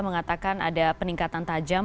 mengatakan ada peningkatan tajam